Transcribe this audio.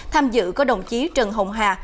tham dự có đồng chí trần hồng hà